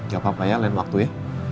gak apa apa ya lain waktu ya